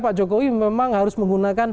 pak jokowi memang harus menggunakan